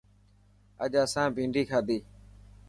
اڄ اسان ڀينڊي کادي.